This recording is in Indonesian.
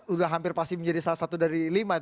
udah hampir pasti menjadi salah satu dari lima